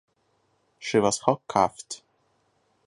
She was hogcuffed.